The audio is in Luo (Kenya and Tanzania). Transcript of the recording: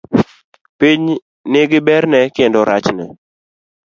Piny nigi berne kendo rachne.